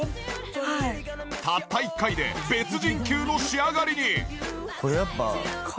たった一回で別人級の仕上がりに！